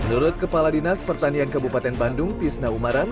menurut kepala dinas pertanian kabupaten bandung tisna umar